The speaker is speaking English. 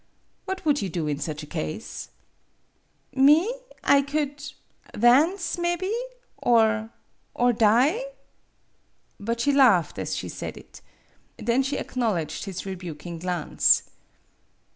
What would you do in such a case ?" "Me? I could dance, mebby, or or die?". But she laughed as she said it. Then she acknowledged his rebuking glance.